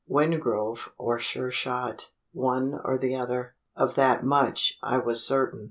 Wingrove or Sure shot one or the other. Of that much I was certain.